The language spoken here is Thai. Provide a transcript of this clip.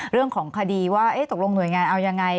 เรื่องของคดีว่าตกลงหน่วยงานเอายังไง